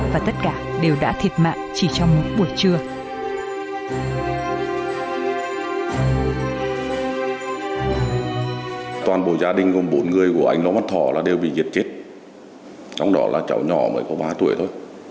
và tất cả đều đã thiệt mạng chỉ trong buổi trưa